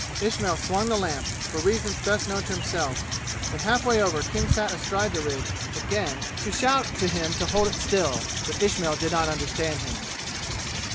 Ismail swung the lamp, for reasons best known to himself, and half way over King sat astride the ridge again to shout to him to hold it still. But Ismail did not understand him.